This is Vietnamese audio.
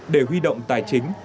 để huy động tài chính